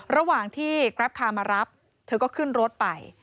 ระหว่างที่กราฟคาร์มารับเธอก็ขึ้นรถไป